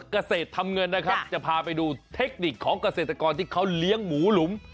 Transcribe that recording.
เกษตรทำเงินนะครับจะพาไปดูเทคนิคของเกษตรกรที่เขาเลี้ยงหมูหลุม